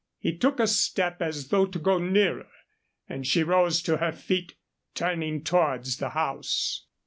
He took a step as though to go nearer, and she rose to her feet, turning towards the house.